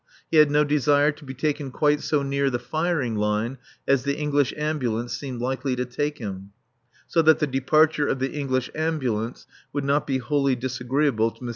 He had no desire to be taken quite so near the firing line as the English Ambulance seemed likely to take him; so that the departure of the English Ambulance would not be wholly disagreeable to M.